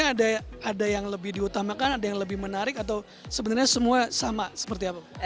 ada yang lebih diutamakan ada yang lebih menarik atau sebenarnya semua sama seperti apa